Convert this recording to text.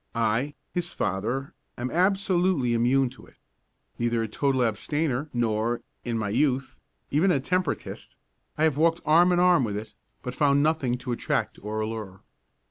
I, his father, am absolutely immune to it. Neither a total abstainer nor, in my youth, even a temperatist, I have walked arm in arm with it, but found nothing to attract or allure.